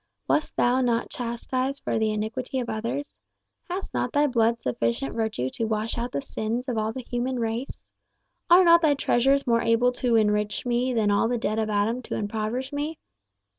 Wast thou not chastised for the iniquity of others? Has not thy blood sufficient virtue to wash out the sins of all the human race? Are not thy treasures more able to enrich me than all the debt of Adam to impoverish me?